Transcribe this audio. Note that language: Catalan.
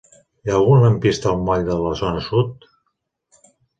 Hi ha algun lampista al moll de la Zona Sud?